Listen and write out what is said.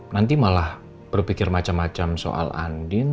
nanti malah berpikir macam macam soal andin